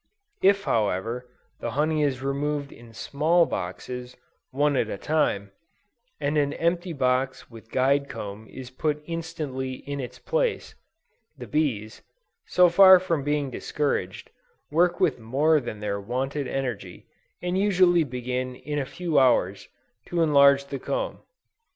If, however, the honey is removed in small boxes, one at a time, and an empty box with guide comb is put instantly in its place, the bees, so far from being discouraged, work with more than their wonted energy, and usually begin in a few hours, to enlarge the comb.